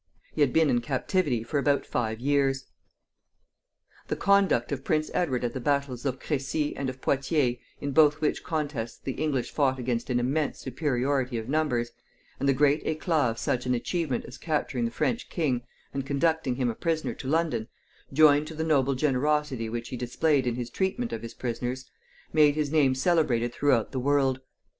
He had been in captivity for about five years. The conduct of Prince Edward at the battles of Crecy and of Poictiers, in both which contests the English fought against an immense superiority of numbers, and the great eclat of such an achievement as capturing the French king, and conducting him a prisoner to London, joined to the noble generosity which he displayed in his treatment of his prisoners, made his name celebrated throughout the world.